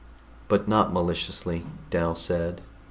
"But not maliciously," Dal said.